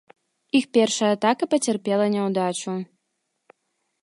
Іх першая атака пацярпела няўдачу.